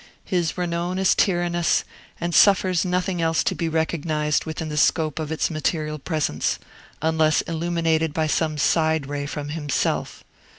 His renown is tyrannous, and suffers nothing else to be recognized within the scope of its material presence, unless illuminated by some side ray from himself.